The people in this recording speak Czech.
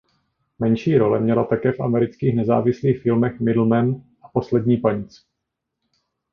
Menší role měla také v amerických nezávislých filmech "Middle Men" a "Poslední panic".